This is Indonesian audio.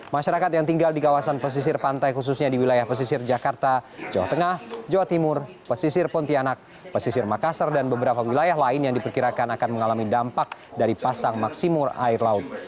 masyarakat yang tinggal di kawasan pesisir pantai khususnya di wilayah pesisir jakarta jawa tengah jawa timur pesisir pontianak pesisir makassar dan beberapa wilayah lain yang diperkirakan akan mengalami dampak dari pasang maksimum air laut